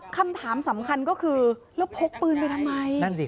คำถามสำคัญก็คือแล้วพกปืนไปทำไมนั่นสิ